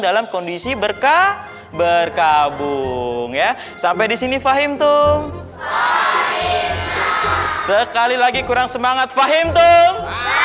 dalam kondisi berkah berkabung ya sampai di sini fahim tung sekali lagi kurang semangat fahim tung